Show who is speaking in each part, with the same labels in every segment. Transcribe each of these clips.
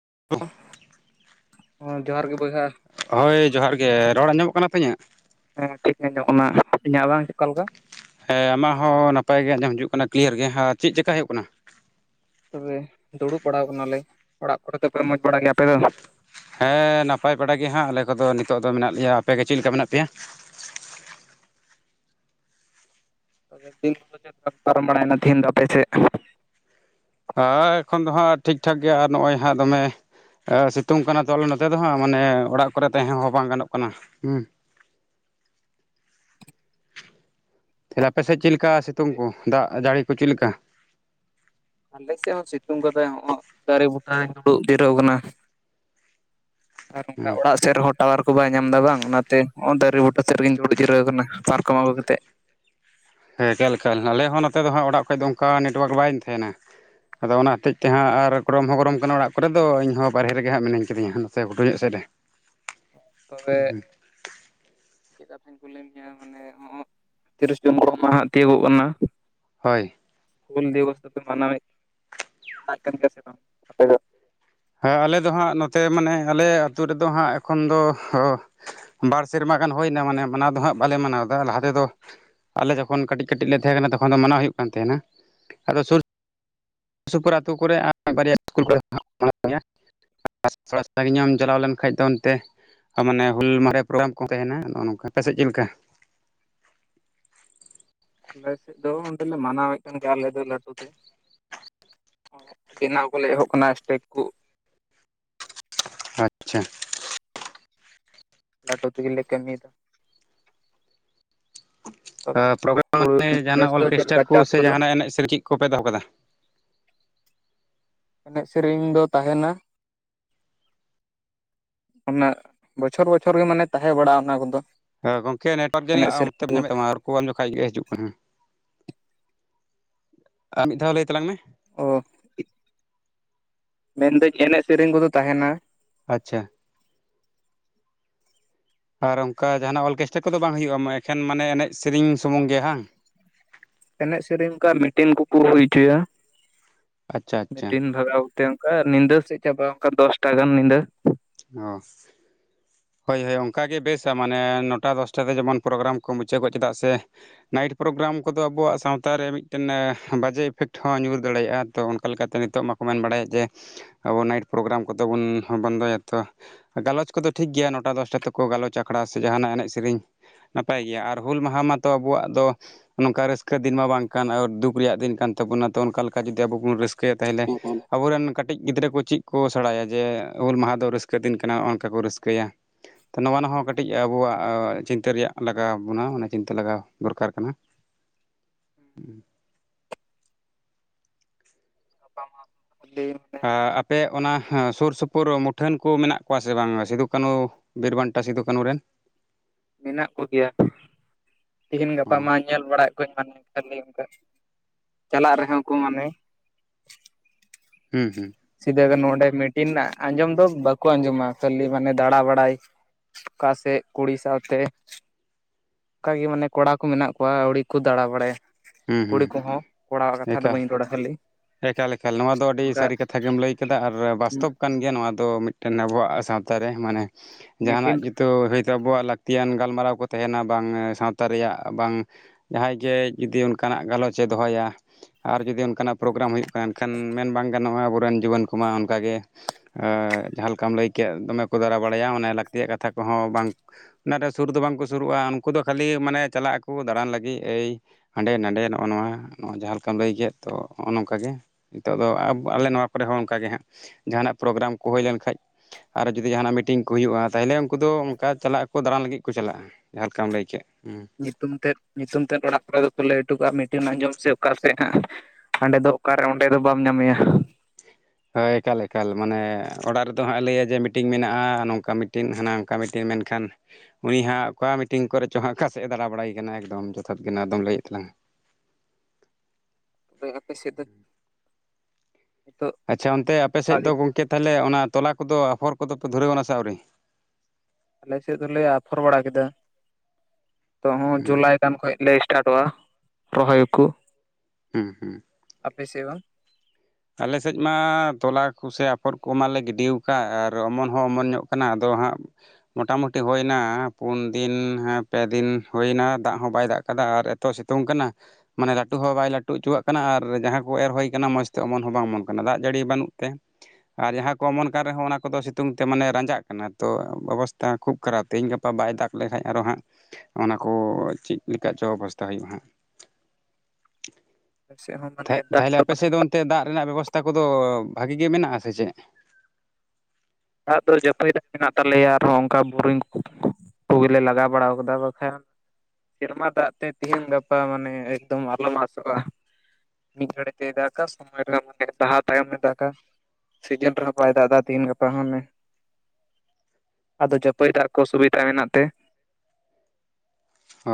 Speaker 1: [unintelligible]
Speaker 2: ᱦᱚᱸ ᱡᱚᱦᱟᱨ ᱜᱮ ᱵᱚᱭᱦᱟ᱾
Speaker 1: ᱦᱳᱭ ᱡᱚᱦᱟᱨ ᱜᱮ, ᱨᱚᱲ ᱟᱸᱡᱚᱢᱚᱜ ᱠᱟᱱᱟ ᱛᱚ ᱤᱧᱟᱜ?
Speaker 2: ᱦᱮᱸ ᱴᱷᱤᱠ ᱟᱡᱚᱢᱚᱜ ᱠᱟᱱᱟ ᱤᱧᱟᱹᱜ ᱵᱟᱝ ᱟᱡᱚᱢᱚᱜ ᱠᱟᱱᱟ, ᱚᱠᱟ ᱞᱮᱠᱟ
Speaker 1: ᱦᱮᱸ ᱟᱢᱟᱜ ᱦᱚᱸ ᱱᱟᱯᱟᱭ ᱜᱮ ᱟᱸᱡᱚᱢ ᱦᱤᱡᱩᱜ ᱠᱟᱱᱟ ᱠᱞᱤᱭᱟᱨ ᱜᱮ ᱪᱮᱫ ᱪᱮᱠᱟ ᱦᱩᱭᱩᱜ ᱠᱟᱱᱟ?
Speaker 2: ᱛᱚᱵᱮ ᱫᱩᱲᱩᱵ ᱵᱟᱲᱟ ᱟᱠᱟᱱᱟᱞᱮ ᱚᱲᱟᱜ ᱠᱚᱨᱮ ᱫᱚᱯᱮ ᱢᱚᱸᱡᱽ ᱵᱟᱲ ᱜᱮᱭᱟ ᱟᱯᱮ ᱫᱚ?
Speaker 1: ᱦᱮᱸ ᱱᱟᱯᱟᱭ ᱵᱟᱲᱟ ᱜᱮ ᱦᱟᱸᱜ ᱟᱞᱮ ᱠᱚᱫᱚ ᱱᱤᱛᱚᱜ ᱫᱚ ᱢᱮᱱᱟᱜ ᱞᱮᱭᱟ᱾ ᱟᱯᱮ ᱜᱮ ᱪᱮᱫ ᱞᱮᱠᱟ ᱢᱮᱱᱟᱜ ᱯᱮᱭᱟ?
Speaker 2: ᱫᱤᱱ ᱠᱚᱫᱚ ᱪᱮᱫ ᱞᱮᱠᱟ ᱯᱟᱨᱚᱢ ᱵᱟᱲᱟᱭ ᱱᱟ ᱫᱤᱱ ᱠᱚᱫᱚ ᱟᱯᱮ ᱥᱮᱫ
Speaker 1: ᱦᱮᱸ ᱮᱠᱷᱚᱱ ᱫᱚ ᱦᱟᱸᱜ ᱴᱷᱤᱠ-ᱴᱷᱟᱠ ᱜᱮᱭᱟ ᱟᱨ ᱱᱚᱜᱼᱚᱭ ᱦᱟᱸᱜ ᱫᱚᱢᱮ ᱥᱤᱛᱩᱝ ᱠᱟᱱᱟ ᱛᱚᱞᱮ ᱱᱚᱛᱮ ᱫᱚ ᱦᱟᱸᱜ ᱢᱟᱱᱮ ᱚᱲᱟᱜ ᱠᱚᱨᱮ ᱛᱟᱦᱮᱸ ᱦᱚᱸ ᱵᱟᱝ ᱜᱟᱱᱚᱜ ᱠᱟᱱᱟ, ᱦᱩ ᱛᱟᱦᱞᱮ ᱟᱯᱮᱥᱮᱜ ᱪᱮᱜ ᱞᱮᱠᱟ ᱥᱤᱛᱩᱝ ᱠᱚ ᱫᱟᱜ ᱡᱟᱹᱲᱤ ᱠᱚ ᱪᱮᱜ ᱞᱮᱠᱟ?
Speaker 2: ᱟᱞᱮ ᱥᱮᱜ ᱦᱚᱸ ᱥᱤᱛᱩᱝ ᱠᱟᱫᱟᱭ ᱦᱚᱸᱜᱼᱚᱜ ᱫᱟᱨᱮ ᱵᱩᱴᱟᱹ ᱨᱮᱧ ᱫᱩᱲᱩᱵ ᱡᱤᱨᱟᱹᱣ ᱠᱟᱱᱟ᱾ ᱟᱨ ᱚᱱᱠᱟ
Speaker 1: ᱦᱮᱸ
Speaker 2: ᱚᱲᱟᱜ ᱥᱮᱜ ᱨᱮᱦᱚᱸ ᱴᱟᱣᱟᱨ ᱠᱚ ᱵᱟᱭ ᱧᱟᱢ ᱮᱫᱟ ᱵᱟᱝ ᱚᱱᱟᱛᱮ ᱱᱚᱱᱛᱮ ᱫᱟᱨᱮ ᱵᱩᱴᱟᱹ ᱥᱮᱫ ᱨᱮᱜᱮᱧ ᱫᱩᱲᱩᱵ ᱡᱤᱨᱟᱹᱣ ᱟᱠᱟᱱᱟ ᱯᱟᱨᱠᱚᱢ ᱟᱹᱜᱩ ᱠᱟᱛᱮᱫ᱾
Speaker 1: ᱦᱮᱸ ᱪᱮᱫ ᱞᱮᱠᱟ ᱟᱞᱮ ᱦᱚᱸ ᱱᱚᱛᱮ ᱫᱚ ᱦᱟᱸᱜ ᱚᱲᱟᱜ ᱠᱷᱚᱡ ᱫᱚ ᱚᱱᱠᱟ ᱱᱮᱴᱣᱟᱨᱠ ᱵᱟᱭ ᱛᱟᱦᱮᱱᱟ᱾ ᱟᱫᱚ ᱚᱱᱟ ᱦᱚᱛᱮᱡ ᱛᱮ ᱦᱟᱸᱜ ᱟᱨ ᱜᱚᱨᱚᱢ ᱦᱚᱸ ᱜᱚᱨᱚᱢ ᱠᱟᱱᱟ ᱚᱲᱟᱜ ᱠᱚᱨᱮ ᱫᱚ ᱤᱧᱦᱚᱸ ᱵᱟᱨᱨᱮ ᱨᱮᱜᱮ ᱦᱟᱜ ᱢᱤᱱᱤᱧ ᱠᱟᱫᱤᱧᱟ ᱱᱚᱛᱮ ᱵᱩᱴᱟᱹ ᱧᱚᱜ ᱥᱮᱫ ᱨᱮᱜᱮ
Speaker 2: ᱛᱚᱵᱮ ᱪᱮᱫ ᱠᱟᱛᱷᱟᱧ ᱠᱩᱞᱟᱹᱭ ᱢᱮᱭᱟ ᱢᱟᱱᱮ ᱱᱚᱜᱼᱚᱭ ᱛᱤᱨᱤᱥᱮ ᱡᱩᱱ ᱠᱚ ᱦᱟᱜ ᱛᱤᱭᱩᱜᱚᱜ ᱠᱟᱱᱟ᱾
Speaker 1: ᱦᱳᱭ
Speaker 2: ᱦᱩᱞ ᱫᱤᱵᱚᱥ ᱫᱚᱯᱮ ᱢᱟᱱᱟᱣᱮᱫ [unintelligible]
Speaker 1: ᱦᱮᱸ ᱟᱞᱮ ᱫᱚ ᱦᱟᱸᱜ ᱱᱚᱛᱮ ᱢᱟᱱᱮ ᱟᱞᱮ ᱟᱹᱛᱩ ᱨᱮᱫᱚ ᱦᱟᱸᱜ ᱮᱠᱷᱚᱱ ᱫᱚ ᱵᱟᱨ ᱥᱮᱨᱢᱟ ᱜᱟᱱ ᱦᱩᱭᱱᱟ ᱢᱟᱱᱮ ᱢᱟᱱᱟᱣ ᱫᱚ ᱦᱟᱸᱜ ᱵᱟᱞᱮ ᱢᱟᱱᱟᱣᱫᱟ ᱞᱟᱦᱟ ᱛᱮᱫᱚ ᱟᱞᱮ ᱡᱚᱠᱷᱚᱱ ᱠᱟᱹᱴᱤᱡ ᱠᱟᱹᱴᱤᱡ ᱞᱮ ᱛᱟᱦᱮᱸ ᱠᱟᱱᱟ ᱛᱚᱠᱷᱚᱱ ᱫᱚ ᱢᱟᱱᱟᱣ ᱦᱩᱭᱩᱜ ᱠᱟᱱ ᱛᱟᱦᱮᱸᱱᱟ ᱟᱫᱚ ᱥᱩᱨ ᱥᱩᱯᱩᱨ ᱟᱹᱛᱩ ᱠᱚᱨᱮ ᱵᱟᱨᱭᱟ ᱤᱥᱠᱩᱞ ᱠᱚᱨᱮ [unintelligible] [unintelligible] ᱥᱟᱺᱜᱤᱧᱚᱜ ᱮᱢ ᱪᱟᱞᱟᱣ ᱞᱮᱱᱠᱷᱟᱡ ᱫᱚ ᱚᱱᱛᱮ ᱢᱟᱱᱮ ᱦᱩᱞ ᱢᱟᱨᱟᱦᱮ ᱯᱨᱳᱜᱨᱟᱢ ᱠᱚ ᱛᱟᱦᱮᱱᱟ ᱱᱚᱝᱠᱟ, ᱟᱯᱮ ᱥᱮᱫ ᱪᱮᱫ ᱞᱮᱠᱟ?
Speaker 2: ᱟᱞᱮ ᱥᱮᱫ ᱫᱚ ᱩᱱᱫᱚᱞᱮ ᱢᱟᱱᱟᱣᱮᱫ ᱠᱟᱱ ᱜᱮᱭᱟ ᱟᱞᱮ ᱫᱚ ᱞᱟᱹᱴᱩ ᱛᱮ᱾ ᱵᱮᱱᱟᱣ ᱠᱚᱞᱮ ᱮᱦᱚᱵ ᱟᱠᱟᱱᱟ ᱥᱴᱮᱠ ᱠᱚ
Speaker 1: ᱟᱪᱪᱷᱟ
Speaker 2: ᱞᱟᱴᱩ ᱛᱮᱜᱮ ᱞᱮ ᱠᱟᱹᱢᱤ ᱭᱮᱫᱟ᱾
Speaker 1: ᱯᱨᱳᱜᱨᱟᱢ ᱨᱮ ᱡᱟᱦᱟᱱᱟᱜ
Speaker 2: ᱪᱮᱫ
Speaker 1: ᱚᱨᱠᱮᱥᱴᱟᱨ
Speaker 2: ᱞᱮᱠᱟ
Speaker 1: ᱠᱚ
Speaker 2: ᱪᱟᱥ
Speaker 1: ᱥᱮ
Speaker 2: ᱠᱚᱫᱚ
Speaker 1: ᱡᱟᱦᱟᱱᱟᱜ ᱮᱱᱮᱡ ᱥᱤᱨᱤᱧ ᱠᱚ ᱪᱮᱫ ᱠᱚᱯᱮ ᱫᱚᱦᱚ ᱠᱟᱫᱟ?
Speaker 2: ᱮᱱᱮᱡ ᱥᱮᱨᱮᱧ ᱫᱚ ᱛᱟᱦᱮᱱᱟ᱾ ᱚᱱᱟ ᱵᱚᱪᱷᱚᱨ ᱵᱚᱪᱷᱚᱨ ᱜᱮ ᱢᱟᱱᱮ ᱛᱟᱦᱮᱸ ᱵᱟᱲᱟᱜᱼᱟ ᱚᱱᱟ ᱠᱚᱫᱚ᱾
Speaker 1: ᱦᱮᱸ ᱜᱚᱢᱠᱮ ᱱᱮᱴᱣᱟᱨᱠ ᱡᱟᱱᱤᱡ
Speaker 2: ᱮᱱᱮᱡ
Speaker 1: ᱧᱟᱢᱮᱫ
Speaker 2: ᱥᱮᱨᱮᱧ ᱠᱚ
Speaker 1: ᱛᱟᱢᱟ ᱟᱨᱦᱚ [unintelligible] ᱟᱨ ᱢᱤᱫ ᱫᱷᱟᱣ ᱞᱟᱹᱭ ᱛᱟᱞᱟᱝ ᱢᱮ
Speaker 2: ᱚ ᱢᱮᱱᱫᱟᱹᱧ ᱮᱱᱮᱡ ᱥᱮᱨᱮᱧ ᱠᱚᱫᱚ ᱛᱟᱦᱮᱱᱟ᱾
Speaker 1: ᱟᱪᱪᱷᱟ ᱟᱨ ᱚᱱᱠᱟ ᱡᱟᱦᱟᱱᱟᱜ ᱚᱨᱠᱮᱥᱴᱨᱟ ᱠᱚᱫᱚ ᱵᱟᱝ ᱦᱩᱭᱩᱜᱼᱟ ᱮᱠᱷᱮᱱ ᱢᱟᱱᱮ ᱮᱱᱮᱡ ᱥᱮᱨᱮᱧ ᱥᱩᱢᱩᱝ ᱜᱮ ᱦᱟᱸᱜ᱾
Speaker 2: ᱮᱱᱮᱡ ᱥᱮᱨᱮᱧᱠᱟ ᱢᱤᱴᱤᱱ ᱠᱚᱠᱚ ᱦᱩᱭ ᱚᱪᱚᱭᱟ
Speaker 1: ᱟᱪᱪᱷᱟ ᱟᱪᱪᱷᱟ
Speaker 2: ᱢᱤᱴᱤᱱ ᱵᱷᱟᱜᱟᱣ ᱛᱮ ᱚᱱᱠᱟ ᱧᱤᱫᱟᱹ ᱥᱮᱫ ᱪᱟᱵᱟᱜᱼᱟ, ᱚᱱᱠᱟ ᱫᱚᱥᱴᱟ ᱜᱟᱱ ᱧᱤᱫᱟᱹ
Speaker 1: ᱚ ᱦᱳᱭ ᱦᱳᱭ ᱚᱱᱠᱟᱜᱮ ᱵᱮᱥᱟ ᱢᱟᱱᱮ ᱱᱚᱴᱟ ᱫᱚᱥᱴᱟ ᱛᱮ ᱡᱮᱢᱚᱱ ᱯᱨᱳᱜᱨᱟᱢ ᱠᱚ ᱢᱩᱪᱟᱹᱫᱚᱜ ᱪᱮᱫᱟᱜ ᱥᱮ ᱱᱟᱭᱤᱴ ᱯᱨᱳᱜᱨᱟᱢ ᱠᱚᱫᱚ ᱟᱵᱚᱣᱟᱜ ᱥᱟᱶᱛᱟ ᱨᱮ ᱢᱤᱫᱴᱮᱱ ᱵᱟᱡᱮ ᱤᱯᱷᱮᱠᱴ ᱦᱚᱸ ᱧᱩᱨ ᱫᱟᱲᱮᱭᱟᱜᱼᱟ ᱛᱚ ᱚᱱᱠᱟ ᱞᱮᱠᱟᱛᱮ ᱱᱤᱛᱚᱜ ᱢᱟᱠᱚ ᱢᱮᱱ ᱵᱟᱲᱟᱭᱮᱫ ᱡᱮ ᱟᱵᱚ ᱱᱟᱭᱤᱴ ᱯᱨᱳᱜᱨᱟᱢ ᱠᱚᱫᱚ ᱵᱚᱱ ᱵᱚᱱᱫᱚᱭᱟ ᱛᱚ ᱜᱟᱞᱚᱪ ᱠᱚᱫᱚ ᱴᱷᱤᱠ ᱜᱮᱭᱟ ᱱᱚᱴᱟ ᱫᱚᱥᱴᱟ ᱛᱮᱠᱚ ᱜᱟᱞᱚᱪ ᱟᱠᱷᱲᱟ ᱥᱮ ᱡᱟᱦᱟᱱᱟᱜ ᱮᱱᱮᱡ ᱥᱮᱨᱮᱧ ᱱᱟᱯᱟᱭ ᱜᱮᱭᱟ ᱟᱨ ᱦᱩᱞ ᱢᱟᱦᱟ ᱢᱟᱛᱚ ᱟᱵᱚᱣᱟᱜ ᱫᱚ ᱱᱚᱝᱠᱟ ᱨᱟᱹᱥᱠᱟᱹ ᱫᱤᱱ ᱢᱟ ᱵᱟᱝ ᱠᱟᱱ ᱟᱨ ᱫᱩᱠ ᱨᱮᱭᱟᱜ ᱫᱤᱱ ᱠᱟᱱ ᱛᱟᱵᱚᱱᱟ ᱛᱚ, ᱚᱱᱠᱟ ᱞᱮᱠᱟ ᱡᱩᱫᱤ ᱟᱵᱚ ᱵᱚᱱ ᱨᱟᱹᱥᱠᱟᱹᱭᱟ ᱛᱟᱦᱚᱞᱮ ᱟᱵᱚᱨᱮᱱ ᱠᱟᱹᱴᱤᱡ ᱜᱤᱫᱽᱨᱟᱹ ᱠᱚ ᱪᱮᱫ ᱠᱚ ᱥᱮᱬᱟᱭᱟ ᱡᱮ ᱦᱩᱞ ᱢᱟᱦᱟ ᱫᱚ ᱨᱟᱹᱥᱠᱟᱹ ᱨᱟᱹᱥᱠᱟᱹ ᱫᱤᱱ ᱠᱟᱱᱟ ᱦᱚᱸ ᱚᱱᱠᱟ ᱠᱚ ᱨᱟᱹᱥᱠᱟᱹᱭᱟ᱾ ᱛᱚ ᱱᱚᱣᱟ ᱨᱮᱱᱟᱜ ᱦᱚᱸᱚᱸ ᱠᱟᱹᱴᱤᱡ ᱟᱵᱚᱣᱟᱜ ᱪᱤᱱᱛᱟᱹ ᱨᱮᱭᱟᱜ ᱞᱟᱜᱟᱣ ᱵᱚᱱᱟ ᱚᱱᱟ ᱪᱤᱱᱛᱟᱹ ᱞᱟᱜᱟᱣ ᱫᱚᱨᱠᱟᱨ ᱠᱟᱱᱟ᱾
Speaker 2: [inaudible]
Speaker 1: [inaudible]
Speaker 2: ᱵᱟᱝ ᱢᱟ ᱥᱮᱢ
Speaker 1: ᱟᱯᱮ ᱚᱱᱟ ᱥᱩᱨ ᱥᱩᱯᱩᱨ ᱢᱩᱴᱷᱟᱹᱱ ᱠᱚ ᱢᱮᱱᱟᱜ ᱠᱚᱣᱟ ᱥᱮ ᱵᱟᱝ ᱥᱤᱫᱩ ᱠᱟᱹᱱᱩ ᱵᱤᱨᱵᱟᱱᱴᱟ ᱥᱤᱫᱩ ᱠᱟᱹᱱᱩ ᱨᱮᱱ
Speaker 2: ᱢᱮᱱᱟᱜ ᱠᱚ ᱜᱮᱭᱟ ᱛᱮᱤᱦᱮᱧ
Speaker 1: ᱚ
Speaker 2: ᱜᱟᱯᱟ ᱢᱟ ᱧᱮᱞ ᱵᱟᱲᱟᱭᱮᱫ ᱠᱚᱣᱟᱹᱧ ᱢᱟᱱᱮ ᱠᱷᱟᱹᱞᱤ ᱚᱱᱠᱟ ᱪᱟᱞᱟᱜ ᱨᱮᱦᱚᱸ ᱠᱚ ᱢᱟᱱᱮ [inaudible]
Speaker 1: ᱦᱩᱸ ᱦᱩᱸ
Speaker 2: ᱥᱤᱫᱩ ᱠᱟᱹᱱᱩ ᱱᱚᱰᱮ ᱢᱤᱴᱤᱤᱱ ᱱᱟᱜ ᱟᱸᱡᱚᱢ ᱫᱚ ᱵᱟᱠᱚ ᱟᱸᱡᱚᱢᱟ ᱠᱷᱟᱹᱞᱤ ᱢᱟᱱᱮ ᱫᱟᱬᱟ ᱵᱟᱲᱟᱭ ᱚᱠᱟ ᱥᱮᱫ ᱠᱩᱲᱤ ᱥᱟᱶᱛᱮ ᱚᱱᱠᱟᱜ ᱜᱮ ᱢᱟᱱᱮ ᱠᱚᱲᱟ ᱠᱚ ᱢᱮᱱᱟᱜ ᱠᱚᱣᱟ ᱟᱹᱣᱲᱤ ᱠᱚ ᱫᱟᱬᱟ ᱵᱟᱲᱟᱭᱟ ᱠᱩᱲᱤ ᱠᱚᱦᱚᱸ ᱠᱚᱲᱟᱣᱟᱜ ᱠᱟᱛᱷᱟ ᱫᱚ
Speaker 1: ᱮᱠᱟᱞ
Speaker 2: ᱵᱟᱹᱧ ᱨᱚᱲᱟ ᱠᱷᱟᱹᱞᱤ
Speaker 1: ᱮᱠᱟᱞ ᱮᱠᱟᱞ ᱱᱚᱣᱟ ᱫᱚ ᱟᱹᱰᱤ
Speaker 2: ᱚᱱᱠᱟ
Speaker 1: ᱥᱟᱹᱨᱤ ᱠᱟᱛᱷᱟ ᱜᱮᱢ ᱞᱟᱹᱭ ᱠᱮᱫᱟ ᱟᱨ ᱵᱟᱥᱛᱚᱵ ᱠᱟᱱ ᱜᱮᱭᱟ ᱱᱚᱣᱟ ᱫᱚ ᱢᱤᱫᱴᱮᱱ ᱟᱵᱚᱣᱟᱜ ᱥᱟᱶᱛᱟ ᱨᱮ ᱢᱟᱱᱮ ᱡᱟᱦᱟᱱᱟᱜ
Speaker 2: ᱢᱤᱴᱤᱱ
Speaker 1: ᱡᱩ ᱛᱚ ᱦᱚᱳᱭᱛᱚ ᱟᱵᱚᱣᱟᱜ ᱞᱟᱹᱠᱛᱤᱭᱟᱱ ᱜᱟᱞᱢᱟᱨᱟᱣ ᱠᱚ ᱛᱟᱦᱮᱸᱱᱟ ᱵᱟᱝ ᱥᱟᱶᱛᱟ ᱨᱮᱭᱟᱜ ᱵᱟᱝ ᱡᱟᱦᱟᱸᱭ ᱜᱮ ᱡᱩᱫᱤ ᱩᱱ ᱚᱱᱠᱟᱱᱟᱜ ᱜᱟᱞᱚᱪ ᱮ ᱫᱚᱦᱚᱭᱟ ᱟᱨ ᱡᱩᱫᱤ ᱚᱱᱠᱟᱱᱟᱜ ᱯᱨᱳᱜᱨᱟᱢ ᱦᱩᱭᱩᱜ ᱠᱟᱱ ᱠᱷᱟᱱ ᱢᱮᱱ ᱵᱟᱝ ᱱᱚᱣᱟ ᱟᱵᱚᱨᱮᱱ ᱡᱩᱣᱟᱹᱱ ᱠᱚᱢᱟ ᱚᱱᱠᱟᱜ ᱜᱮ ᱟᱸ ᱡᱟᱦᱟᱸ ᱞᱮᱠᱟᱢ ᱞᱟᱹᱭ ᱠᱮᱫ ᱫᱚᱢᱮ ᱠᱚ ᱫᱟᱨᱟ ᱵᱟᱲᱟᱭᱟ ᱚᱱᱮ ᱞᱟᱹᱠᱛᱤᱭᱟᱜ ᱠᱟᱛᱷᱟ ᱠᱚᱦᱚᱸ ᱵᱟᱝ ᱚᱱᱟᱨᱮ ᱥᱩᱨ ᱫᱚ ᱵᱟᱝᱠᱚ ᱥᱩᱨᱩᱜᱼᱟ ᱩᱱᱠᱩ ᱫᱚ ᱠᱷᱟᱹᱞᱤ ᱢᱟᱱᱮ ᱪᱟᱞᱟᱜ ᱟᱠᱚ ᱫᱟᱬᱟᱱ ᱞᱟᱹᱜᱤᱫ ᱮᱭ ᱦᱟᱸᱰᱮ ᱱᱟᱰᱮ ᱱᱚᱜᱼᱚ ᱱᱚᱣᱟ ᱱᱚᱭ ᱡᱟᱦᱟᱸ ᱞᱮᱠᱟᱢ ᱞᱟᱹᱭ ᱠᱮᱫ ᱛᱚ ᱦᱚᱸᱜ-ᱚ ᱱᱚᱝᱠᱟ ᱜᱮ ᱱᱤᱛᱚᱜ ᱫᱚ ᱟᱹᱵᱚ ᱟᱵ ᱟᱞᱮ ᱱᱚᱣᱟ ᱠᱚᱨᱮ ᱦᱚᱸ ᱚᱱᱠᱟᱜᱮ ᱦᱟᱸᱜ ᱡᱟᱦᱟᱸᱱᱟᱜ ᱯᱨᱳᱜᱨᱟᱢ ᱠᱚ ᱦᱩᱭ ᱞᱮᱱ ᱠᱷᱟᱡ ᱟᱨ ᱡᱩᱫᱤ ᱡᱟᱦᱟᱸᱱᱟᱜ ᱢᱤᱴᱤᱝ ᱠᱚ ᱦᱩᱭᱩᱜᱼᱟ ᱛᱟᱦᱚᱞᱮ ᱩᱱᱠᱩ ᱫᱚ ᱚᱱᱠᱟ ᱪᱟᱞᱟᱜ ᱟᱠᱚ ᱫᱟᱬᱟᱱ ᱞᱟᱹᱜᱤᱫ ᱠᱚ ᱪᱟᱞᱟᱜᱼᱟ ᱡᱟᱦᱟᱸ ᱞᱮᱠᱟᱢ ᱞᱟᱹᱭ ᱠᱮᱜ ᱦᱸ
Speaker 2: ᱧᱩᱛᱩᱢ ᱛᱮᱫ ᱧᱩᱛᱩᱢ ᱛᱮᱫ ᱚᱲᱟᱜ ᱠᱚᱨᱮ ᱞᱟᱹᱭ ᱦᱚᱴᱚ ᱠᱟᱜᱼᱟ ᱢᱤᱴᱤᱝ ᱟᱸᱡᱚᱢ ᱥᱮ ᱚᱠᱟ ᱥᱮᱫ ᱦᱟᱸᱜ ᱦᱟᱸᱰᱮ ᱫᱚ ᱚᱠᱟᱨᱮ ᱚᱸᱰᱮ ᱫᱚ ᱵᱟᱢ ᱧᱟᱢᱮᱭᱟ [inaudible]
Speaker 1: ᱦᱳᱭ ᱮᱠᱟᱞ ᱮᱠᱟᱞ ᱢᱟᱱᱮ ᱚᱲᱟᱜ ᱨᱮᱫᱚ ᱦᱟᱸᱜᱼᱮ ᱞᱟᱹᱭᱟ ᱡᱮ ᱢᱤᱴᱤᱝ ᱢᱮᱱᱟᱜᱼᱟ ᱱᱚᱝᱠᱟ ᱢᱤᱴᱤᱝ ᱦᱟᱱᱮᱸ ᱦᱟᱝᱠᱟ ᱢᱤᱴᱤᱝ ᱢᱮᱱᱠᱷᱟᱱ ᱩᱱᱤ ᱦᱟᱸᱜ ᱚᱠᱟ ᱢᱤᱴᱤᱝ ᱠᱚᱨᱮ ᱪᱚ ᱦᱟᱸᱜ ᱚᱠᱟ ᱥᱮᱫ ᱮ ᱫᱟᱬᱟ ᱵᱟᱲᱟᱭ ᱠᱟᱱᱟ ᱮᱫᱚᱢ ᱡᱚᱛᱷᱟᱛ ᱜᱮ ᱮᱠᱚᱢ ᱞᱟᱹᱭᱮᱛ ᱛᱟᱞᱟᱝᱟ
Speaker 2: ᱛᱚᱵᱮ ᱟᱯᱮ ᱥᱮ ᱫᱚ ᱾
Speaker 1: ᱟᱪᱪᱷᱟ ᱚᱱᱛᱮ ᱟᱯᱮ
Speaker 2: ᱫᱟᱜ
Speaker 1: ᱥᱮᱫ ᱫᱚ
Speaker 2: ᱫᱤᱱ
Speaker 1: ᱜᱚᱝᱠᱮ ᱛᱟᱦᱚᱞᱮ ᱚᱱᱟ ᱛᱚᱞᱟ ᱠᱚᱫᱚ ᱟᱯᱷᱚᱨ ᱠᱚᱫᱚ ᱯᱮ ᱫᱷᱩᱨᱟᱹᱣᱱᱟ ᱥᱮ ᱟᱹᱣᱨᱤ
Speaker 2: ᱟᱞᱮ ᱥᱮᱫ ᱫᱚᱞᱮ ᱟᱯᱷᱚᱨ ᱵᱟᱲᱟ ᱠᱮᱫᱟ ᱛᱟ ᱦᱚᱸ
Speaker 1: ᱦᱩᱸ
Speaker 2: ᱡᱩᱞᱟᱭ ᱪᱮᱛᱟᱱ ᱠᱷᱚᱡ ᱞᱮ ᱥᱴᱟᱴᱼᱟ ᱨᱚᱦᱚᱭ ᱠᱚ
Speaker 1: ᱦᱩᱸ ᱦᱩᱸ
Speaker 2: ᱟᱯᱮ ᱥᱮ ᱵᱟᱝ
Speaker 1: ᱟᱞᱮ ᱥᱮᱫ ᱢᱟ ᱛᱚᱞᱟ ᱠᱚᱥᱮ ᱟᱯᱚᱨ ᱠᱚ ᱢᱟᱞᱮ ᱜᱤᱰᱤ ᱟᱠᱟᱫ ᱟᱨ ᱚᱢᱚᱱ ᱦᱚᱸ ᱚᱢᱚᱱ ᱧᱚᱜ ᱠᱟᱱᱟ ᱟᱫᱚ ᱦᱟᱸᱜ ᱢᱚᱴᱟᱢᱩᱴᱤ ᱦᱩᱭᱱᱟ ᱯᱩᱱ ᱫᱤᱱ ᱦᱮᱸ ᱯᱮ ᱫᱤᱱ ᱦᱩᱭᱱᱟ ᱫᱟᱜ ᱦᱚᱸ ᱵᱟᱭ ᱫᱟᱜ ᱠᱟᱫᱟ ᱟᱨ ᱮᱛᱚ ᱥᱤᱛᱩᱝ ᱠᱟᱱᱟ ᱢᱟᱱᱮ ᱞᱟᱹᱴᱩ ᱦᱚᱸ ᱵᱟᱭ ᱞᱟᱹᱴᱩ ᱚᱪᱚᱣᱟᱜ ᱠᱟᱱᱟ ᱟᱨ ᱡᱟᱦᱟᱸ ᱠᱚ ᱮᱨ ᱦᱩᱭ ᱠᱟᱱᱟ ᱢᱚᱸᱡᱽ ᱛᱮ ᱚᱢᱚᱱ ᱦᱚᱸ ᱵᱟᱝ ᱚᱢᱚᱱ ᱠᱟᱱᱟ ᱫᱟᱜ ᱡᱟᱹᱲᱤ ᱵᱟᱹᱱᱩᱜ ᱛᱮ ᱟᱨ ᱡᱟᱦᱟᱸ ᱠᱚ ᱚᱢᱚᱱ ᱠᱟᱱ ᱨᱮᱦᱚᱸ ᱚᱱᱟ ᱠᱚᱫᱚ ᱥᱤᱛᱩᱝ ᱛᱮ ᱢᱟᱱᱮ ᱨᱟᱸᱡᱟᱜ ᱠᱟᱱᱟ ᱛᱚ ᱚᱵᱚᱥᱛᱷᱟ ᱠᱷᱩᱵ ᱠᱷᱟᱨᱟᱯ ᱛᱮᱦᱮᱧ ᱜᱟᱯᱟ ᱵᱟᱭ ᱫᱟᱜᱽ ᱞᱮ ᱦᱟᱸᱜ ᱟᱨᱚ ᱦᱟᱸᱜ ᱚᱱᱟ ᱠᱚ ᱪᱮᱫ ᱞᱮᱠᱟ ᱪᱚ ᱚᱵᱚᱥᱛᱷᱟ ᱦᱩᱭᱩᱜᱼᱟ ᱦᱟᱸᱜ
Speaker 2: ᱟᱯᱮ ᱥᱮᱫ ᱦᱚᱸ ᱢᱟᱱᱮ
Speaker 1: ᱛᱟᱦᱮ
Speaker 2: ᱫᱟᱜ
Speaker 1: ᱛᱟᱦᱞᱮ ᱟᱯᱮ
Speaker 2: ᱵᱟᱭ
Speaker 1: ᱥᱮᱫ ᱫᱚ ᱚᱱᱛᱮ ᱫᱟᱜ ᱨᱮᱱᱟᱜ ᱵᱮᱵᱚᱥᱛᱷᱟ ᱠᱚᱫᱚ ᱵᱷᱟᱹᱜᱤ ᱜᱮ ᱢᱮᱱᱟᱜᱼᱟ ᱥᱮ ᱪᱮᱫ
Speaker 2: ᱫᱟᱜ ᱫᱚ ᱡᱟᱹᱯᱤᱫ ᱫᱟᱜ ᱢᱮᱱᱟᱜ ᱛᱟᱞᱮᱭᱟ ᱟᱨᱦᱚᱸ ᱚᱱᱠᱟ ᱵᱳᱨᱤᱝ ᱠᱚ ᱯᱩᱭ ᱞᱮ ᱞᱟᱜᱟᱣ ᱵᱟᱲᱟ ᱟᱠᱟᱫᱟ ᱵᱟᱠᱷᱟᱱ ᱥᱮᱨᱢᱟ ᱫᱟᱜ ᱛᱮ ᱛᱤᱦᱮᱧ ᱜᱟᱯᱟ ᱢᱟᱱᱮ ᱮᱠᱫᱚᱢ ᱟᱞᱚᱢ ᱟᱥᱚᱜᱼᱟ ᱢᱤᱫ ᱜᱟᱹᱲᱤ ᱛᱮ ᱫᱟᱜᱼᱟ ᱥᱚᱢᱚᱭ ᱨᱮ ᱢᱟᱱᱮ ᱫᱟᱦᱟ ᱛᱟᱭᱚᱢ ᱫᱟᱜᱼᱟ ᱥᱤᱡᱮᱱ ᱨᱮᱦᱚᱸ ᱵᱟᱭ ᱫᱟᱜᱼᱟ ᱫᱟ ᱫᱤᱱ ᱜᱟ ᱯᱟᱲᱦᱟᱣ ᱢᱮ ᱟᱫᱚ ᱡᱟᱯᱟᱡ ᱫᱟᱜ ᱠᱚ ᱥᱩᱨᱩᱭ ᱛᱟᱦᱮᱸᱱᱟᱜ ᱛᱮ ᱾
Speaker 1: ᱚ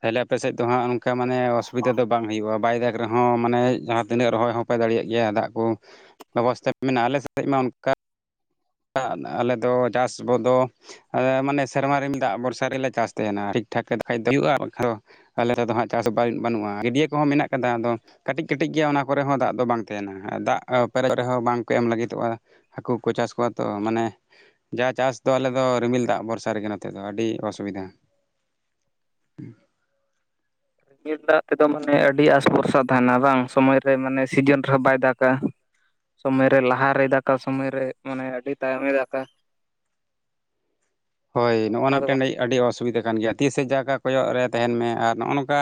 Speaker 1: ᱛᱟᱦᱚᱞᱮ ᱟᱯᱮᱥᱮᱫ ᱫᱚ ᱦᱟᱸᱜ ᱚᱱᱠᱟ ᱢᱟᱱᱮ ᱚᱥᱩᱵᱤᱫᱟ ᱫᱚ ᱵᱟᱝ ᱦᱩᱭᱩᱜᱼᱟ ᱵᱟᱭ ᱫᱟᱜᱽ ᱨᱮᱦᱚᱸ ᱢᱟᱱᱮ ᱡᱟᱦᱟᱸ ᱛᱤᱱᱟᱹᱜ ᱨᱚᱦᱚᱭ ᱦᱚᱸᱯᱮ ᱫᱟᱲᱮᱭᱟᱜ ᱜᱮᱭᱟ ᱫᱟᱜ ᱠᱚ ᱵᱮᱵᱚᱥᱛᱷᱟ ᱢᱮᱱᱟᱜᱼᱟ ᱟᱞᱮ ᱥᱮᱫ ᱢᱟ ᱚᱱᱠᱟ ᱟᱞᱮᱫᱚ ᱪᱟᱥ ᱵᱚᱫᱚ ᱢᱟᱱᱮ ᱥᱮᱨᱢᱟ ᱨᱮ ᱫᱟᱜ ᱵᱚᱨᱥᱟ ᱨᱮᱞᱮ ᱪᱟᱥ ᱛᱟᱦᱮᱸᱱᱟ ᱴᱷᱤᱠᱴᱷᱟᱠ ᱦᱩᱭᱩᱜᱼᱟ ᱟᱞᱮ ᱛᱮᱫ ᱫᱚ ᱦᱟᱸᱜ ᱪᱟᱥ ᱵᱟᱭ ᱵᱟᱹᱱᱩᱜᱼᱟ ᱜᱟᱹᱰᱭᱟᱹ ᱠᱚᱦᱚᱸ ᱢᱮᱱᱟᱜ ᱟᱠᱟᱫᱟ ᱟᱫᱚ ᱠᱟᱹᱴᱤᱡ ᱠᱟᱹᱴᱤᱡ ᱜᱮᱭᱟ ᱚᱱᱟ ᱠᱚᱨᱮ ᱦᱚᱸ ᱫᱟᱜ ᱫᱚ ᱵᱟᱝ ᱛᱟᱦᱮᱸᱱᱟ ᱫᱟᱜ ᱯᱮᱨᱮᱡ ᱠᱚ ᱨᱮ ᱦᱚᱸ ᱵᱟᱝ ᱠᱚ ᱮᱢ ᱞᱟᱹᱜᱤᱫᱚᱜᱼᱟ ᱦᱟᱹᱠᱩ ᱠᱚ ᱪᱟᱥ ᱠᱚᱣᱟ ᱛᱚ ᱢᱟᱱᱮ ᱡᱟ ᱪᱟᱥᱫᱚ ᱟᱞᱮᱫᱚ ᱨᱤᱢᱤᱞ ᱫᱟᱜ ᱵᱷᱚᱨᱥᱟ ᱨᱮᱜᱮ ᱱᱚᱛᱮᱫ ᱫᱚ ᱟᱹᱰᱤ ᱚᱥᱩᱵᱤᱫᱟ
Speaker 2: ᱨᱤᱢᱤᱞ ᱫᱟᱜ ᱛᱮᱫᱚ ᱢᱟᱱᱮ ᱟᱹᱰᱤ ᱟᱥᱵᱷᱚᱨᱥᱟ ᱛᱟᱦᱮᱱᱟ ᱵᱟᱝ ᱥᱚᱢᱚᱭ ᱨᱮ ᱢᱟᱱᱮ ᱥᱤᱡᱤᱱ ᱨᱮᱦᱚᱸ ᱵᱟᱭ ᱫᱟᱜᱟ ᱥᱚᱢᱢᱚᱭᱨᱮ ᱞᱟᱦᱟᱨᱮᱭ ᱫᱟᱠᱟ ᱥᱚᱢᱚᱭᱨᱮ ᱢᱟᱱᱮ ᱟᱹᱰᱤ ᱛᱟᱭᱚᱢᱮᱭ ᱫᱟᱠᱟ
Speaker 1: ᱦᱳᱭ ᱱᱚᱜᱼᱚ
Speaker 2: ᱚᱱᱠᱟ
Speaker 1: ᱱᱚᱣᱟ
Speaker 2: ᱫᱚ
Speaker 1: ᱛᱮᱱᱫᱚ
Speaker 2: ᱵᱟᱝ
Speaker 1: ᱟᱹᱰᱤ ᱚᱥᱩᱵᱤᱫᱷᱟ ᱠᱟᱱ ᱜᱮᱭᱟ ᱛᱤᱥᱮ ᱡᱟᱭᱜᱟ ᱠᱚᱭᱚᱜ ᱨᱮ ᱛᱟᱦᱮᱱ ᱢᱮ ᱟᱨ ᱱᱚᱜᱼᱚ ᱱᱚᱝᱠᱟ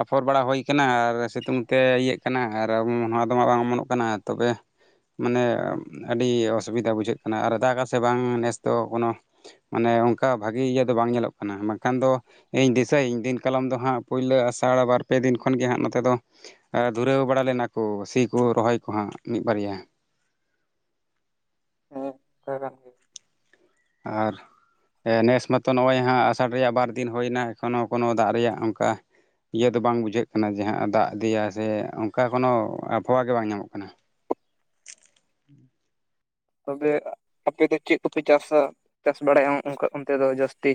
Speaker 1: ᱟᱯᱷᱚᱨ ᱵᱟᱲᱟ ᱦᱩᱭ ᱠᱟᱱᱟ ᱟᱨ ᱥᱤᱛᱩᱝ ᱛᱮ ᱤᱭᱟᱹᱜ ᱠᱟᱱᱟ ᱟᱨ ᱱᱚᱣᱟ ᱟᱫᱚᱢᱟ ᱵᱟᱝ ᱚᱢᱚᱱᱚᱜ ᱠᱟᱱᱟ ᱛᱚᱵᱮ ᱢᱟᱱᱮ ᱟᱹᱰᱤ ᱚᱥᱩᱵᱤᱫᱟ ᱵᱩᱡᱷᱟᱹᱜ ᱠᱟᱱᱟ ᱟᱨ ᱫᱟᱜ ᱟᱥᱮ ᱵᱟᱝ ᱱᱮᱥ ᱫᱚ ᱠᱳᱱᱳ ᱢᱟᱱᱮ ᱚᱱᱠᱟ ᱵᱷᱟᱜᱤ ᱤᱭᱟᱹ ᱫᱚ ᱵᱟᱝ ᱧᱮᱞᱚᱜ ᱠᱟᱱᱟ ᱵᱟᱝᱠᱷᱟᱱ ᱫᱚ ᱤᱧ ᱫᱤᱥᱟᱹᱭᱟᱹᱧ ᱫᱤᱱ ᱠᱟᱞᱚᱢ ᱫᱚ ᱦᱟᱸᱜ ᱯᱳᱭᱞᱳ ᱟᱥᱟᱲ ᱵᱟᱨ ᱯᱮ ᱫᱤᱱ ᱠᱷᱚᱱᱜᱮ ᱦᱟᱸᱜ ᱱᱚᱛᱮ ᱫᱚ ᱫᱷᱩᱨᱟᱹᱣ ᱵᱟᱲᱟ ᱞᱮᱱᱟᱠᱚ ᱥᱤ ᱠᱚ ᱨᱚᱦᱚᱭ ᱠᱚᱦᱟᱸᱜ ᱢᱤᱫ ᱵᱟᱨᱭᱟ
Speaker 2: ᱦᱮᱸ
Speaker 1: ᱟᱨ ᱱᱮᱥ ᱢᱟᱛᱚ ᱱᱚᱜᱼᱚᱭ ᱦᱟᱸᱜ ᱟᱥᱟᱲ ᱨᱮᱭᱟᱜ ᱵᱟᱨᱫᱤᱱ ᱦᱩᱭᱱᱟ ᱮᱠᱷᱚᱱᱳ ᱠᱳᱱᱳ ᱫᱟᱜ ᱨᱮᱭᱟᱜ ᱚᱱᱠᱟ ᱤᱭᱟᱹ ᱫᱚ ᱵᱟᱝ ᱵᱩᱡᱷᱟᱹᱜ ᱠᱟᱱᱟ ᱡᱮ ᱫᱟᱜ ᱤᱫᱤᱭᱟ ᱥᱮ ᱚᱱᱠᱟ ᱠᱳᱱᱳ ᱟᱵᱚᱦᱟᱣᱟ ᱜᱮ ᱵᱟᱝ ᱧᱟᱢᱚᱜ ᱠᱟᱱᱟ
Speaker 2: ᱛᱚᱵᱮ ᱟᱯᱮ ᱫᱚ ᱪᱮᱫ ᱠᱚᱯᱮ ᱪᱟᱥᱟ ᱪᱟᱥ ᱵᱟᱲᱟᱭᱟ ᱚᱱᱠᱟ ᱚᱱᱛᱮ ᱫᱚ ᱡᱟᱹᱥᱛᱤ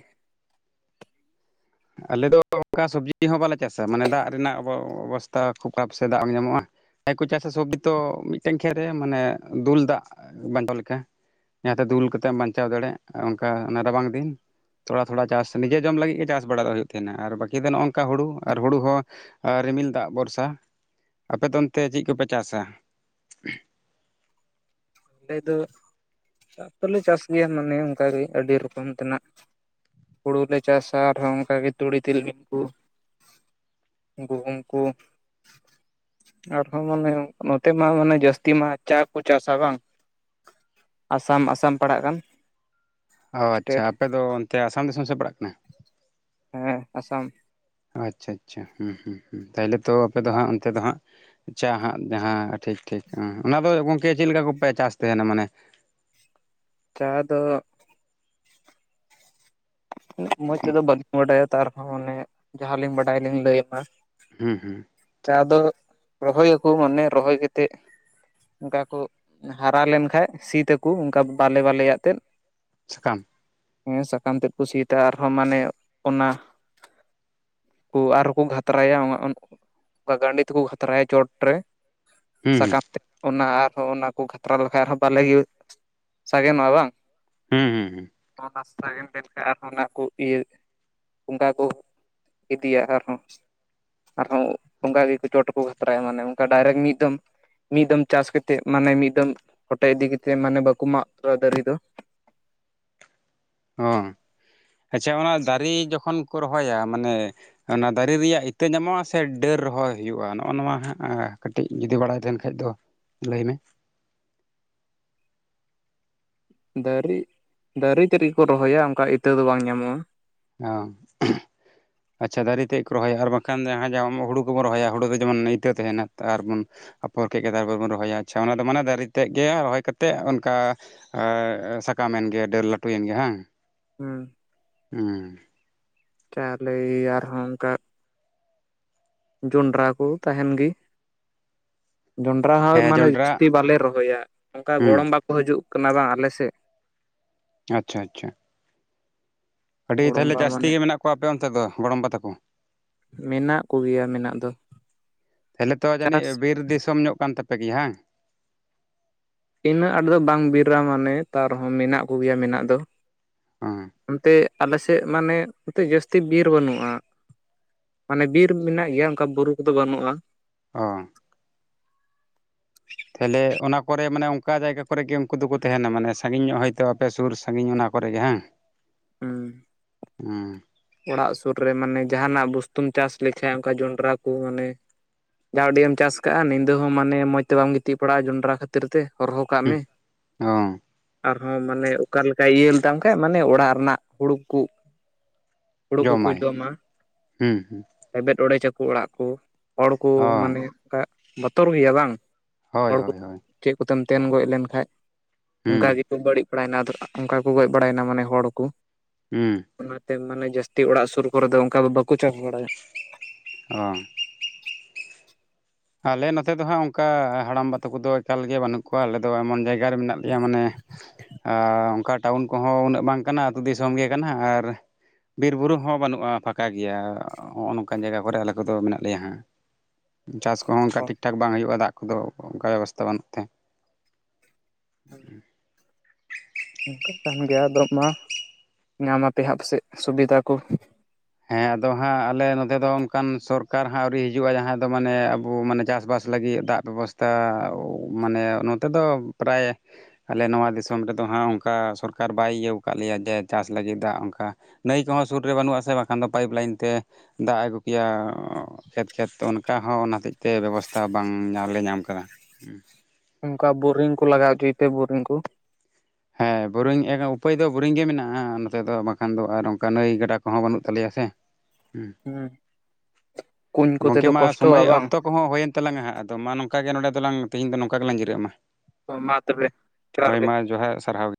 Speaker 1: ᱟᱞᱮᱫᱚ ᱚᱱᱠᱟ ᱥᱚᱵᱽᱡᱤ ᱦᱚᱸ ᱵᱟᱞᱮ ᱪᱟᱥᱟ ᱢᱟᱱᱮ ᱫᱟᱜ ᱨᱮᱱᱟᱜ ᱚᱵᱚᱥᱛᱷᱟ ᱠᱷᱩᱵ ᱠᱷᱟᱨᱟᱯ ᱥᱮ ᱫᱟᱜ ᱵᱟᱝ ᱧᱟᱢᱚᱜᱼᱟ ᱡᱟᱦᱟᱸᱭ ᱠᱩ ᱪᱟᱥᱟ ᱥᱚᱵᱡᱤ ᱛᱚ ᱢᱤᱫᱴᱮᱱ ᱠᱷᱮᱛ ᱨᱮ ᱢᱟᱱᱮ ᱫᱩᱞ ᱫᱟᱜ ᱵᱟᱧᱪᱟᱣ ᱞᱮᱠᱟ ᱡᱟᱦᱟᱸᱛᱮ ᱫᱩᱞ ᱠᱟᱛᱮᱢ ᱵᱟᱧᱪᱟᱣ ᱫᱟᱲᱮᱭᱟᱜ ᱚᱱᱠᱟ ᱚᱱᱟ ᱨᱟᱵᱟᱝ ᱫᱤᱱ ᱛᱷᱚᱲᱟ ᱛᱷᱚᱲᱟ ᱪᱟᱥ ᱱᱤᱡᱮ ᱡᱚᱢ ᱞᱟᱹᱜᱤᱫ ᱜᱮ ᱪᱟᱥ ᱫᱟᱜ ᱵᱟᱲᱟ ᱦᱩᱭᱩᱜ ᱛᱟᱦᱮᱱᱟ ᱟᱨ ᱵᱟᱹᱠᱤ ᱫᱚ ᱱᱚᱜ ᱱᱚᱝᱠᱟ ᱦᱳᱲᱩ ᱟᱨ ᱦᱳᱲᱩ ᱦᱚᱸ ᱨᱤᱢᱤᱞ ᱫᱟᱜ ᱵᱷᱚᱨᱥᱟ ᱟᱯᱮ ᱫᱚ ᱚᱱᱛᱮ ᱪᱮᱫ ᱠᱚᱯᱮ ᱪᱟᱥᱟ
Speaker 2: ᱟᱞᱮ ᱫᱚ ᱪᱟᱥ ᱫᱚᱞᱮ ᱪᱟᱥ ᱜᱮᱭᱟ ᱢᱟᱱᱮ ᱚᱱᱠᱟᱜᱮ ᱟᱹᱰᱤ ᱨᱚᱠᱚᱢ ᱛᱮᱱᱟᱜ ᱦᱩᱲᱩᱞᱮ ᱪᱟᱥᱟ ᱟᱨᱦᱚᱸ ᱚᱱᱠᱟ ᱜᱮ ᱛᱩᱲᱤ ᱛᱤᱞᱢᱤᱧ ᱠᱚ ᱜᱩᱦᱩᱢ ᱠᱚ ᱟᱨᱦᱚᱸ ᱢᱟᱱᱮ ᱱᱚᱛᱮ ᱢᱟ ᱢᱟᱱᱮ ᱡᱟᱹᱥᱛᱤ ᱢᱟ ᱪᱟ ᱠᱚ ᱪᱟᱥᱟ ᱵᱟᱝ ᱟᱥᱟᱢ ᱟᱥᱟᱢ ᱯᱟᱲᱟᱜ ᱠᱟᱱ
Speaker 1: ᱚ ᱟᱪᱪᱷᱟ
Speaker 2: ᱥᱴᱮᱴ
Speaker 1: ᱟᱯᱮᱫᱚ ᱚᱱᱛᱮ ᱟᱥᱟᱢ ᱫᱤᱥᱚᱢ ᱥᱮᱫ ᱯᱟᱲᱟᱜ ᱠᱟᱱᱟ
Speaker 2: ᱦᱮᱸ ᱟᱥᱟᱢ
Speaker 1: ᱟᱪᱪᱷᱟ ᱟᱪᱪᱷᱟᱸᱸ ᱛᱟᱦᱚᱞᱮ ᱛᱚ ᱟᱯᱮ ᱫᱚ ᱦᱟᱸᱜ ᱚᱱᱛᱮ ᱫᱚ ᱦᱟᱸᱜ ᱟᱪᱪᱷᱟ ᱦᱟᱸᱜ ᱡᱟᱦᱟᱸ ᱴᱷᱤᱠ ᱴᱷᱤᱠ ᱚᱱᱟ ᱫᱚ ᱜᱚᱢᱠᱮ ᱪᱮᱫ ᱞᱮᱠᱟ ᱠᱚᱯᱮ ᱪᱟᱥ ᱛᱟᱦᱮᱱᱟ ᱢᱟᱱᱮ
Speaker 2: ᱪᱟ ᱫᱚ ᱢᱚᱸᱡᱽ ᱛᱮᱫᱚ ᱵᱟᱹᱞᱤᱧ ᱵᱟᱰᱟᱭᱟ ᱛᱟᱦᱚᱸ ᱚᱱᱮ ᱡᱟᱦᱟᱸᱞᱤᱧ ᱵᱟᱰᱟᱭ ᱞᱤᱧ ᱞᱟᱹᱭᱟᱢᱟ
Speaker 1: ᱦᱩᱸ ᱦᱩᱸ
Speaker 2: ᱪᱟ ᱫᱚ ᱨᱚᱦᱚᱭᱟᱠᱚ ᱢᱟᱱᱮ ᱨᱚᱦᱚᱭ ᱠᱟᱛᱮᱮᱫ ᱚᱱᱠᱟ ᱠᱚ ᱦᱟᱨᱟ ᱞᱮᱱᱠᱟᱱᱡ ᱥᱤᱫ ᱛᱟᱠᱚ ᱚᱱᱠᱟ ᱵᱟᱞᱮ ᱵᱟᱞᱮ ᱟᱛᱮᱫ
Speaker 1: ᱥᱟᱠᱟᱢ
Speaker 2: ᱦᱮᱸ ᱥᱟᱠᱟᱢ ᱛᱮᱫ ᱠᱚ ᱥᱤᱫᱟ ᱟᱨᱦᱚᱸ ᱢᱟᱱᱮ ᱚᱱᱟ ᱠᱚ ᱟᱨᱦᱚᱸᱠᱚ ᱠᱷᱟᱛᱨᱟᱭᱟ ᱚᱱᱠᱟ ᱜᱟᱸᱰᱤ ᱛᱮᱠᱚ ᱠᱷᱟᱛᱨᱟᱭᱟ ᱪᱚᱴ ᱨᱮ
Speaker 1: ᱦᱩᱸ ᱦᱩᱸ
Speaker 2: ᱥᱟᱠᱟᱢ ᱛᱮ ᱚᱱᱟ ᱟᱨᱦᱚᱸ ᱚᱱᱟ ᱠᱚ ᱠᱷᱟᱛᱨᱟ ᱞᱮᱠᱷᱟᱡ ᱟᱨᱦᱚᱸ ᱵᱟᱞᱮ ᱥᱟᱜᱮᱱᱚᱜᱼᱟ ᱵᱟᱝ
Speaker 1: ᱦᱩᱸ ᱦᱩᱸ ᱦᱩᱸ
Speaker 2: ᱚᱱᱟ ᱥᱟᱜᱮᱱ ᱞᱮᱱᱠᱷᱟᱱ ᱟᱨᱦᱚᱸ ᱚᱱᱟ ᱠᱚ ᱤᱭᱟᱹ ᱵᱚᱸᱜᱟ ᱠᱚ ᱤᱫᱤᱭᱟ ᱟᱨᱦᱚᱸ ᱟᱨᱦᱚᱸ ᱚᱱᱠᱟ ᱜᱮ ᱪᱚᱴᱠᱚ ᱠᱷᱟᱛᱨᱟᱭᱟ ᱢᱟᱱᱮ ᱚᱱᱠᱟ ᱰᱟᱭᱨᱮᱠᱴ ᱢᱤᱫ ᱫᱚᱢ ᱢᱤᱫ ᱫᱚᱢ ᱪᱟᱥ ᱠᱟᱛᱮᱫ ᱢᱟᱱᱮ ᱢᱤᱫ ᱫᱚᱢ ᱦᱚᱴᱮᱡ ᱤᱫᱤ ᱠᱟᱛᱮᱫ ᱢᱟᱱᱮ ᱵᱟᱠᱚ ᱢᱟᱜ ᱩᱛᱟᱹᱨᱟ ᱫᱟᱨᱮ ᱫᱚ
Speaker 1: ᱚ ᱟᱪᱪᱷᱟ ᱚᱱᱟ ᱫᱟᱨᱮ ᱡᱚᱠᱷᱚᱱ ᱠᱚ ᱨᱚᱦᱚᱭᱟ ᱢᱟᱱᱮ ᱚᱱᱟ ᱫᱟᱨᱮ ᱨᱮᱭᱟᱜ ᱤᱛᱟᱹ ᱧᱟᱢᱚᱜᱼᱟ ᱥᱮ ᱰᱟᱹᱨ ᱨᱚᱦᱚᱭ ᱦᱩᱭᱩᱜᱼᱟ ᱱᱚᱜᱼᱚ ᱱᱚᱣᱟ ᱦᱟᱸᱜ ᱠᱟᱹᱴᱤᱡ ᱡᱩᱫᱤ ᱵᱟᱲᱟᱭ ᱞᱮᱱ ᱠᱷᱟᱱᱡ ᱫᱚ ᱞᱟᱹᱭ ᱢᱮ
Speaker 2: ᱫᱟᱨᱮ ᱫᱟᱨᱮ ᱨᱮᱜᱮ ᱠᱚ ᱨᱚᱦᱚᱭᱟ ᱚᱱᱠᱟ ᱤᱛᱟᱹ ᱫᱚ ᱵᱟᱝ ᱧᱟᱢᱚᱜᱼᱟ
Speaker 1: ᱦ [unintelligible] ᱟᱪᱪᱷᱟ ᱫᱟᱨᱮ ᱛᱮᱫ ᱠᱚ ᱨᱚᱦᱚᱭᱟ ᱟᱨ ᱵᱟᱝᱠᱷᱟᱱ ᱡᱟᱦᱟᱸ ᱦᱩᱲᱩ ᱠᱚᱵᱚᱱ ᱨᱚᱦᱚᱭᱟ ᱦᱩᱲᱩ ᱫᱚ ᱡᱮᱢᱚᱱ ᱤᱛᱟᱹ ᱛᱟᱦᱮᱱᱟ ᱟᱨᱵᱚᱱ ᱟᱯᱚᱨ ᱠᱮᱫ ᱜᱮ ᱛᱟᱨᱯᱚᱨ ᱵᱚᱱ ᱨᱚᱦᱚᱭᱟ ᱟᱪᱪᱷᱟ ᱚᱱᱮ ᱫᱚ ᱢᱟᱱᱮ ᱫᱟᱨᱮ ᱛᱮᱫ ᱜᱮ ᱨᱚᱦᱚᱭ ᱠᱟᱛᱮᱫ ᱚᱱᱠᱟ ᱮ ᱥᱟᱠᱟᱢᱮᱱ ᱜᱮ ᱰᱟᱹᱨ ᱞᱟᱹᱴᱩᱭᱮᱱ ᱜᱮᱭᱟ ᱵᱟᱝ
Speaker 2: ᱦᱩᱸ
Speaker 1: ᱦᱩᱸ
Speaker 2: ᱪᱟᱣᱞᱮ ᱟᱨᱦᱚᱸ ᱚᱱᱠᱟ ᱡᱚᱱᱰᱨᱟ ᱠᱚ ᱛᱟᱦᱮᱱ ᱜᱮ ᱡᱚᱱᱰᱨᱟ ᱦᱚᱸ
Speaker 1: ᱦᱮᱸ
Speaker 2: ᱢᱟᱱᱮ
Speaker 1: ᱡᱚᱱᱰᱨᱟ
Speaker 2: ᱡᱷᱛᱤ ᱵᱟᱞᱮ ᱨᱚᱦᱚᱭᱟ ᱚᱱᱠᱟ
Speaker 1: ᱦᱩᱸ
Speaker 2: ᱜᱚᱲᱚᱢ ᱵᱟᱠᱚ ᱦᱤᱡᱩᱜ ᱠᱟᱱᱟ ᱵᱟᱝ ᱟᱞᱮ ᱥᱮᱫ
Speaker 1: ᱟᱪᱪᱷᱟ ᱟᱪᱪᱷᱟ ᱟᱹᱰᱤ ᱛᱟᱦᱚᱞᱮ
Speaker 2: ᱜᱚᱲᱚᱢᱵᱟ
Speaker 1: ᱡᱟᱹᱥᱛᱤ
Speaker 2: ᱢᱟᱱᱮ
Speaker 1: ᱜᱮ ᱢᱮᱱᱟᱜ ᱠᱚᱣᱟ ᱟᱯᱮ ᱚᱱᱛᱮ ᱫᱚ ᱜᱚᱲᱚᱢ ᱵᱟ ᱛᱟᱠᱚ
Speaker 2: ᱢᱮᱱᱟᱜ ᱠᱚᱜᱮᱭᱟ ᱢᱮᱱᱟᱜ ᱫᱚ
Speaker 1: ᱛᱟᱦᱚᱞᱮ ᱛᱚ ᱡᱟᱹᱱᱤᱡ
Speaker 2: ᱪᱟᱥ
Speaker 1: ᱵᱤᱨ ᱫᱤᱥᱚᱢ ᱧᱚᱜ ᱠᱟᱱ ᱛᱟᱯᱮᱜ ᱜᱮ ᱵᱟᱝᱸ
Speaker 2: ᱤᱱᱟᱹᱜ ᱫᱚ ᱵᱟᱝ ᱵᱤᱨᱨᱟ ᱢᱟᱱᱮ ᱛᱟᱨᱦᱚᱸ ᱢᱮᱱᱟᱜ ᱠᱚᱜᱮᱭᱟ ᱢᱮᱱᱟᱜ ᱫᱚ
Speaker 1: ᱩᱸ
Speaker 2: ᱚᱱᱛᱮ ᱟᱞᱮ ᱥᱮᱫ ᱢᱟᱱᱮ ᱮᱱᱛᱮ ᱡᱟᱹᱥᱛᱤ ᱵᱤᱨ ᱵᱟᱹᱱᱩᱜᱼᱟ ᱢᱟᱱᱮ ᱵᱤᱨ ᱢᱮᱱᱟᱜ ᱜᱮᱭᱟ ᱚᱱᱠᱟ ᱵᱩᱨᱩ ᱠᱚᱫᱚ ᱵᱟᱹᱱᱩᱜᱼᱟ
Speaker 1: ᱚ ᱛᱟᱦᱚᱞᱮ ᱚᱱᱟ ᱠᱚᱨᱮ ᱢᱟᱱᱮ ᱚᱱᱠᱟ ᱡᱟᱭᱜᱟ ᱠᱚᱨᱮᱜᱮ ᱩᱱᱠᱩ ᱫᱚᱠᱚ ᱛᱟᱦᱮᱱᱟ ᱢᱟᱱᱮ ᱥᱟᱺᱜᱤᱧ ᱧᱚᱜ ᱦᱳᱭᱛᱚ ᱟᱯᱮ ᱥᱩᱨ ᱥᱟᱺᱜᱤᱧ ᱚᱱᱟ ᱠᱚᱨᱮᱜᱮ ᱦᱟᱝ
Speaker 2: [unintelligible]
Speaker 1: ᱦᱩᱸ
Speaker 2: ᱚᱲᱟᱜ ᱥᱩᱨ ᱨᱮ ᱢᱟᱱᱮ ᱡᱟᱦᱟᱱᱟᱜ ᱵᱚᱥᱛᱩ ᱪᱟᱥ ᱞᱮᱠᱷᱟᱡ ᱚᱱᱠᱟ ᱡᱚᱱᱰᱨᱟ ᱠᱚ ᱢᱟᱱᱮ ᱡᱟᱦᱟᱸ ᱦᱚᱰᱤ ᱮᱢ ᱪᱟᱥ ᱠᱟᱜᱼᱟ ᱧᱤᱫᱟᱹ ᱦᱚᱸ ᱢᱟᱱᱮ ᱢᱚᱡᱽ ᱛᱮ ᱵᱟᱢ ᱜᱤᱛᱤᱡ ᱯᱟᱲᱟᱜᱼᱟ ᱡᱚᱸᱰᱨᱟ ᱠᱷᱟᱹᱛᱤᱨ ᱠᱷᱟᱹᱛᱤᱨ ᱛᱮ ᱦᱚᱨᱦᱚ ᱠᱟᱜ ᱢᱮ
Speaker 1: ᱦᱩᱸ ᱚ
Speaker 2: ᱟᱨ ᱦᱚᱸ ᱢᱟᱱᱮ ᱚᱠᱟ ᱞᱮᱠᱟᱭ ᱤᱭᱟᱹ ᱞᱮᱫᱟ ᱠᱷᱟᱡ ᱢᱟᱱᱮ ᱚᱲᱟᱜ ᱨᱮᱱᱟᱜ ᱦᱩᱲᱩ ᱠᱩ ᱦᱳᱲᱳ ᱠᱚᱠᱚ
Speaker 1: ᱡᱚᱢᱟᱭ
Speaker 2: ᱡᱚᱢᱟ
Speaker 1: ᱦᱩᱸ ᱦᱩᱸ
Speaker 2: ᱞᱮᱵᱮᱫ ᱚᱲᱮᱡᱟᱠ ᱚᱲᱟᱜ ᱠᱩ ᱦᱚᱲ ᱠᱚ
Speaker 1: ᱚ ᱦᱳᱭ
Speaker 2: ᱢᱟᱱᱮ ᱵᱚᱛᱚᱨ ᱜᱮᱭᱟ ᱵᱟᱝ
Speaker 1: ᱦᱳᱭ
Speaker 2: ᱦᱚᱲ ᱠᱚ
Speaker 1: ᱦᱳᱭ ᱦᱳᱭ
Speaker 2: ᱪᱮᱫ ᱠᱚᱛᱮᱢ ᱛᱮᱱ ᱜᱚᱡ ᱞᱮᱱ ᱠᱷᱟᱡ ᱚᱱᱠᱟ
Speaker 1: ᱦᱩᱸ
Speaker 2: ᱜᱮᱠᱚ ᱵᱟᱹᱲᱤᱡ ᱵᱟᱲᱟᱭᱱᱟ ᱚᱱᱠᱟ ᱠᱚ ᱜᱚᱡ ᱵᱟᱲᱟᱭᱮᱱᱟ ᱢᱟᱱᱮ ᱦᱚᱲ ᱠᱚ
Speaker 1: ᱩᱸ
Speaker 2: ᱚᱱᱟᱛᱮ ᱢᱟᱱᱮ ᱡᱟᱹᱥᱛᱤ ᱚᱲᱟᱜ ᱥᱩᱨ ᱠᱚᱨᱮ ᱫᱚ ᱚᱱᱠᱟ ᱫᱚ ᱵᱟᱠᱚ ᱪᱟᱥ ᱵᱟᱲᱟᱭᱟ
Speaker 1: ᱚ ᱟᱞᱮ ᱱᱚᱛᱮ ᱫᱚ ᱦᱟᱸᱜ ᱚᱱᱠᱟ ᱦᱟᱲᱟᱢ ᱵᱟ ᱛᱚ ᱠᱚᱫᱚ ᱮᱠᱟᱞᱜ ᱵᱟᱹᱱᱩᱜ ᱠᱚᱣᱟ ᱟᱞᱮ ᱫᱚ ᱮᱢᱚᱱ ᱡᱟᱭᱜᱟ ᱨᱮ ᱢᱮᱱᱟᱜ ᱞᱮᱭᱟ ᱢᱟᱱᱮ ᱟᱨ ᱚᱱᱠᱟ ᱴᱟᱣᱩᱱ ᱠᱚᱦᱚᱸ ᱩᱱᱟᱹᱜ ᱵᱟᱝ ᱠᱟᱱᱟ ᱟᱹᱛᱩ ᱫᱤᱥᱚᱢ ᱜᱮ ᱠᱟᱱᱟ ᱟᱨ ᱵᱤᱨ ᱵᱩᱨᱩ ᱦᱚᱸ ᱵᱟᱹᱱᱩᱜᱼᱟ ᱯᱷᱟᱠᱟ ᱜᱮᱭᱟ ᱱᱚᱜᱼᱚ ᱱᱚᱝᱠᱟᱱ ᱡᱟᱭᱜᱟ ᱠᱚᱨᱮ ᱟᱞᱮ ᱠᱚᱫᱚ ᱢᱮᱱᱟᱜ ᱞᱮᱭᱟ ᱦᱟᱸᱜ ᱪᱟᱥ ᱠᱚᱦᱚᱸ ᱚᱱᱠᱟ
Speaker 2: ᱦᱚᱲ
Speaker 1: ᱴᱷᱤᱠ ᱴᱷᱟᱠ ᱵᱟᱝ ᱦᱩᱭᱩᱜᱼᱟ ᱫᱟᱜ ᱠᱚᱫᱚ ᱚᱱᱠᱟ ᱵᱮᱵᱚᱥᱛᱟ ᱵᱟᱹᱱᱩᱜ ᱛᱮ
Speaker 2: [unintelligible] ᱚᱱᱠᱟ ᱠᱟᱱ ᱜᱮᱭᱟ ᱟᱫᱚ ᱢᱟ ᱧᱟᱢ ᱟᱯᱮ ᱦᱟᱸᱜ ᱟᱯᱟᱥᱮᱡ ᱥᱩᱵᱤᱫᱷᱟ ᱠᱚ
Speaker 1: ᱦᱮᱸ ᱟᱫᱚ ᱦᱟᱸᱜ ᱟᱞᱮ ᱱᱚᱛᱮ ᱫᱚ ᱚᱱᱠᱟᱱ ᱥᱚᱨᱠᱟᱨ ᱦᱟᱸᱜ ᱟᱹᱣᱨᱤ ᱦᱤᱡᱩᱜᱼᱟ ᱡᱟᱦᱟᱸᱭ ᱫᱚ ᱢᱟᱱᱮ ᱟᱵᱚ ᱢᱟᱱᱮ ᱪᱟᱥᱵᱟᱥ ᱞᱟᱹᱜᱤᱫ ᱫᱟᱜ ᱵᱮᱵᱚᱥᱛᱟ ᱢᱟᱱᱮ ᱱᱚᱛᱮ ᱫᱚ ᱯᱨᱟᱭ ᱟᱞᱮ ᱱᱚᱣᱟ ᱫᱤᱥᱚᱢ ᱨᱮᱫᱚ ᱦᱟᱸᱜ ᱚᱱᱠᱟ ᱥᱚᱨᱠᱟᱨ ᱵᱟᱭ ᱤᱭᱟᱹ ᱟᱠᱟᱫ ᱞᱮᱭᱟ ᱡᱮ ᱪᱟᱥ ᱞᱟᱹᱜᱤᱫ ᱫᱟᱜ ᱚᱱᱠᱟ ᱱᱟᱹᱭ ᱠᱚᱦᱚᱸ ᱥᱩᱨ ᱨᱮ ᱵᱟᱹᱱᱩᱜ ᱟᱥᱮ ᱵᱟᱝᱠᱷᱟᱱ ᱫᱚ ᱯᱟᱭᱤᱯ ᱞᱟᱭᱤᱱ ᱛᱮ ᱫᱟᱜ ᱮ ᱟᱹᱜᱩ ᱠᱮᱭᱟ ᱠᱷᱮᱛ ᱠᱷᱮᱛ ᱚᱱᱠᱟ ᱦᱚᱸ ᱚᱱᱟ ᱦᱚᱛᱮᱡ ᱛᱮ ᱵᱮᱵᱚᱥᱛᱷᱟ ᱵᱟᱝ ᱧᱮ ᱧᱟᱢ ᱟᱠᱟᱫᱟ
Speaker 2: ᱚᱱᱠᱟ ᱵᱳᱨᱤᱝ ᱠᱚ ᱞᱟᱜᱟᱣ ᱦᱚᱪᱚᱭ ᱛᱮ ᱵᱳᱨᱤᱝ ᱠᱚ
Speaker 1: ᱦᱮᱸ ᱵᱳᱨᱤᱝ ᱮ ᱩᱯᱟᱹᱭ ᱫᱚ ᱵᱳᱨᱤᱝ ᱜᱮ ᱢᱮᱱᱟᱜᱼᱟ ᱱᱚᱛᱮ ᱫᱚ ᱵᱟᱠᱷᱟᱱ ᱫᱚ ᱟᱨ ᱚᱱᱠᱟ ᱱᱟᱹᱭ ᱜᱟᱰᱟ ᱠᱚᱦᱚᱸ ᱵᱟᱹᱱᱩᱜ ᱛᱟᱞᱮᱭᱟ ᱥᱮ
Speaker 2: ᱦᱩᱸ ᱠᱩᱧ ᱠᱚᱛᱮ
Speaker 1: ᱜᱚᱝᱠᱮ
Speaker 2: ᱫᱚ
Speaker 1: ᱢᱟ
Speaker 2: ᱠᱚᱥᱴᱚᱜᱼᱟ
Speaker 1: ᱥᱚᱢᱚᱭ
Speaker 2: ᱵᱟᱝ
Speaker 1: ᱚᱠᱛᱚ ᱠᱚ ᱦᱚᱸ ᱦᱩᱭᱮᱱ ᱛᱟᱞᱟᱝᱟ ᱦᱟᱜ ᱟᱫᱚ ᱢᱟ ᱱᱚᱝᱠᱟ ᱜᱮ ᱱᱚᱰᱮ ᱫᱚ ᱛᱤᱦᱤᱧ ᱫᱚ ᱱᱚᱝᱠᱟ ᱜᱮᱞᱟᱝ ᱡᱤᱨᱟᱹᱜ ᱢᱟ
Speaker 2: ᱢᱟ ᱛᱚᱵᱮ ᱡᱚᱦᱟᱨ
Speaker 1: ᱦᱳᱭ
Speaker 2: ᱜᱮ
Speaker 1: ᱢᱟ ᱡᱚᱦᱟᱨ ᱥᱟᱨᱦᱟᱣ ᱜᱮ